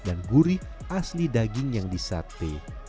dan gurih asli daging yang disate